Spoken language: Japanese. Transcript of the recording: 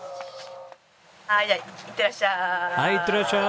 はーいじゃあいってらっしゃい。